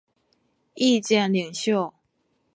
意见领袖。